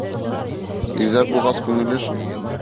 Ирҙәр булғас, күңелле шул.